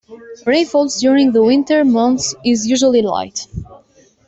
Rainfalls during the winter months is usually light.